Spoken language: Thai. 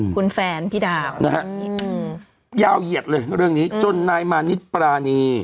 คุณแฟนพี่ดาวนะฮะยาวเหยียดเลยเรื่องนี้จนนายมานิดปรานี